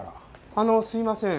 あのすいません。